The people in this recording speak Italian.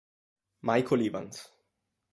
Michael Evans